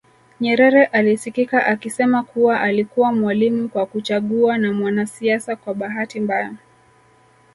Nyerere alisikika akisema kuwa alikuwa mwalimu kwa kuchagua na mwanasiasa kwa bahati mbaya